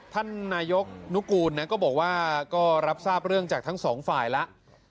ท่านนายกนุกูลก็บอกว่าก็รับทราบเรื่องจากทั้งสองฝ่ายแล้ว